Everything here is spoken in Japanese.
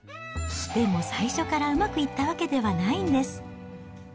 でも最初からうまくいったわけではないんです。